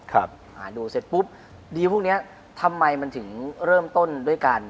อ่าดูเสร็จปุ๊บดีลพวกเนี้ยทำไมมันถึงเริ่มต้นด้วยการ